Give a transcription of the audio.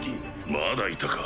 まだいたか。